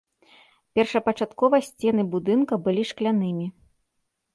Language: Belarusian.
Першапачаткова сцены будынка былі шклянымі.